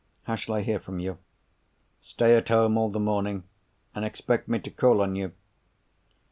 "How shall I hear from you?" "Stay at home all the morning and expect me to call on you."